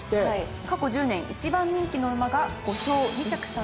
過去１０年一番人気の馬が。